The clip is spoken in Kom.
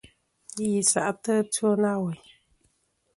Yi sa'tɨ ɨtwo na weyn.